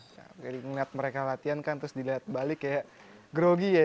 jadi ngeliat mereka latihan kan terus dilihat balik kayak grogi ya